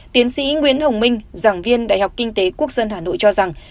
tiến sĩ nguyễn hồng minh giảng viên đại học kinh tế quốc dân hà nội cho rằng